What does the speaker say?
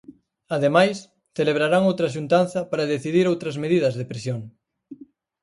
Ademais, celebrarán outra xuntanza para decidir outras medidas de presión.